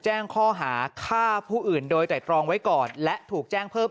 แจ้งข้อหาฆ่าผู้อื่นโดยไตรตรองไว้ก่อนและถูกแจ้งเพิ่ม